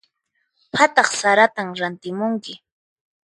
Phataq saratan rantimunki.